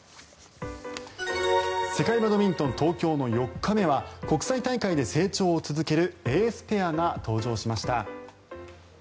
世界バドミントン東京の４日目は国際大会で成長を続けるエースペアが登場しました。